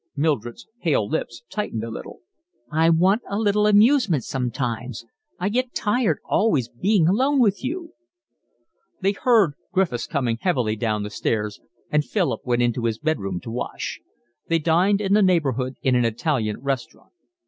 Mildred's pale lips tightened a little. "I want a little amusement sometimes. I get tired always being alone with you." They heard Griffiths coming heavily down the stairs, and Philip went into his bed room to wash. They dined in the neighbourhood in an Italian restaurant.